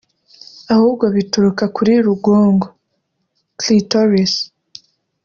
ahubwo bituruka kuri rugongo (Clitoris)